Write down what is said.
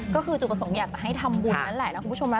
ก็คือจุดประสงค์อยากจะให้ทำบุญนั่นแหละนะคุณผู้ชมนะ